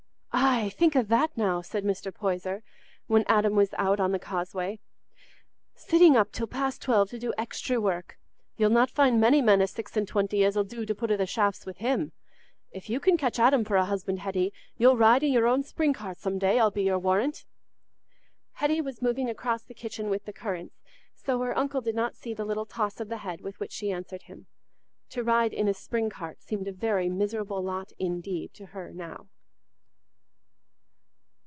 "Aye, think o' that now," said Mr. Poyser, when Adam was out of on the causeway. "Sitting up till past twelve to do extry work! Ye'll not find many men o' six an' twenty as 'ull do to put i' the shafts wi' him. If you can catch Adam for a husband, Hetty, you'll ride i' your own spring cart some day, I'll be your warrant." Hetty was moving across the kitchen with the currants, so her uncle did not see the little toss of the head with which she answered him. To ride in a spring cart seemed a very miserable lot indeed to her now.